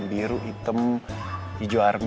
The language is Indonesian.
biru hitam hijau army